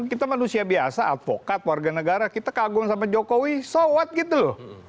kita manusia biasa advokat warga negara kita kagum sama jokowi sowat gitu loh